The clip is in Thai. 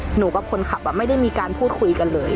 หนูกับคนขับไม่ได้มีการพูดคุยกันเลย